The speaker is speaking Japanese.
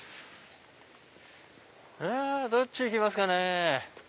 いやどっち行きますかね。